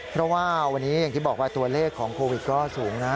เพราะว่าวันนี้อย่างที่บอกว่าตัวเลขของโควิดก็สูงนะ